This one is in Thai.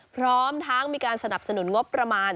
พร้อมทั้งมีการสนับสนุนงบประมาณ